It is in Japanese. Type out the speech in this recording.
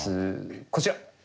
こちら。